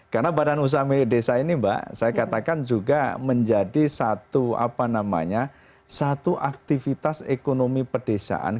karena badan usaha milik desa ini mbak saya katakan juga menjadi satu aktivitas ekonomi pedesaan